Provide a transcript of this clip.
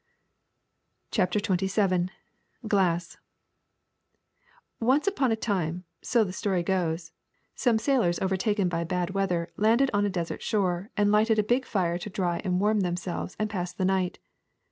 ii o CHAPTER XXVII GLASS N CE upon a time, so the story goes, some sailors overtaken by bad weather landed on a desert shore and lighted a big fire to dry and warm them selves and pass the night.